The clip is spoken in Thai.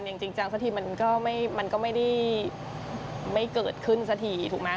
อย่างจริงจังเมื่อก็ไม่เกิดขึ้นแล้ว